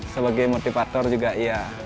sebagai motivator juga ya